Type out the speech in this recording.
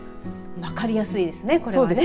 分かりやすいですね、これはね。